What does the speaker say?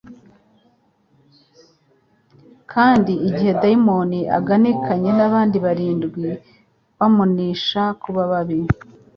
kandi igihe dayimoni' aganikanye n'abaudi barindwi bamunisha kuba babi,